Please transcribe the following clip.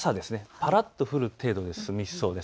ぱらっと降る程度で済みそうです。